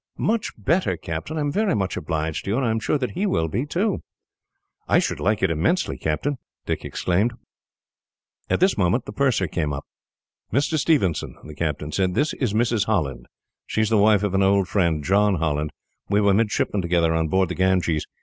"Much better, Captain. I am very much obliged to you, and I am sure that he will be, too." "I should like it immensely, Captain," Dick exclaimed. At this moment, the purser came up. "Mr. Stevenson," the captain said, "this is Mrs. Holland. She is the wife of my old friend, John Holland we were midshipmen together on board the Ganges.